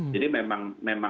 jadi memang harus berpikir